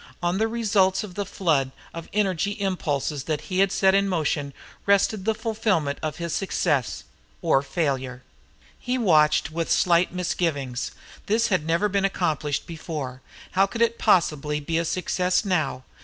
On the results of the flood of energy impulses that he had set in motion rested the fulfillment of his success or failure. He watched with slight misgivings. This had never been accomplished before. How could it possibly be a success now?